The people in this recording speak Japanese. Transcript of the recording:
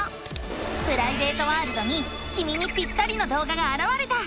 プライベートワールドにきみにぴったりの動画があらわれた！